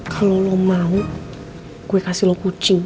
kalau lo mau gue kasih lo kucing